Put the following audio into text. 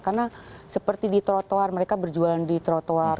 karena seperti di trotoar mereka berjualan di trotoar